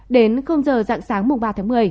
đến không giờ dặn sáng mùng ba tháng một mươi